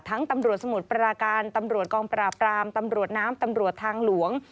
ตำรวจสมุทรปราการตำรวจกองปราบรามตำรวจน้ำตำรวจทางหลวง